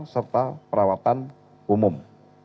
serta perawatan umum